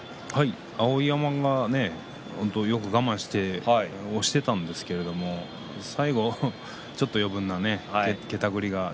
碧山がよく我慢して押していたんですけれど最後、ちょっと余分なけたぐりが。